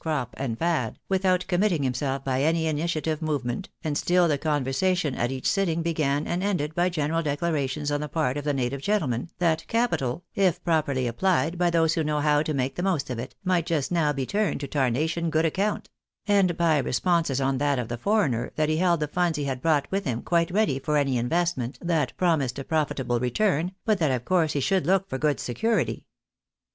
Crop and Fad, without committing himself by any initiative move ment, and still the conversation at each sitting began and ended by general declarations on the part of the native gentlemen, that capital, if properly applied by those who know how to make the most of it, might just now be turned to tarnation good account ; and by responses on that of the foreigner, that he held the funds he had brought with him quite ready for any investment that pro mised a profitable return, but that of course he should look for good security.